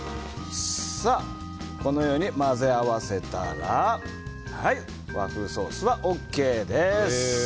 このように混ぜ合わせたら和風ソースはＯＫです。